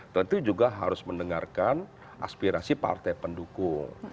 tentu juga harus mendengarkan aspirasi partai pendukung